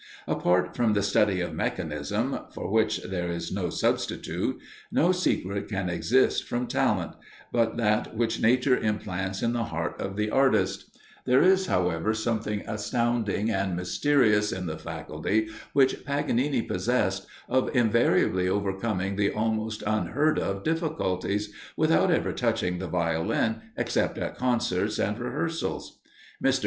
Apart from the study of mechanism for which there is no substitute no secret can exist from talent, but that which nature implants in the heart of the artist; there is, however, something astounding and mysterious in the faculty which Paganini possessed, of invariably overcoming the almost unheard of difficulties, without ever touching the Violin except at concerts and rehearsals. Mr.